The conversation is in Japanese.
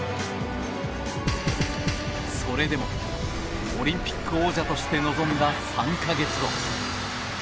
それでもオリンピック王者として臨んだ３か月後。